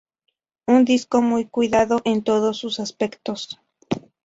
Un disco muy cuidado en todos sus aspectos.